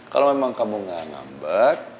kalau memang kamu gak ngambek